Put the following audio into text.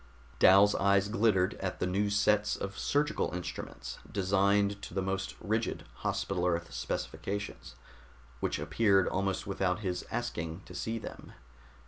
Dal's eyes glittered at the new sets of surgical instruments, designed to the most rigid Hospital Earth specifications, which appeared almost without his asking to see them.